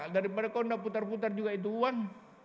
daripada kok anda putar putar juga itu uang